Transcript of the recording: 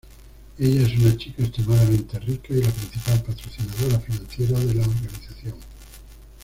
Ella es una chica extremadamente rica y la principal patrocinadora financiera de la organización.